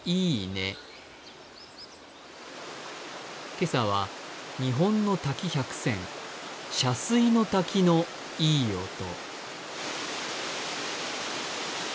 今朝は日本の滝百選洒水の滝のいい音。